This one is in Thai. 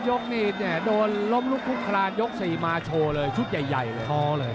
๓ยกนี่เนี่ยโดนล้มลุกทุกครานยก๔มาโชว์เลยชุดใหญ่เลย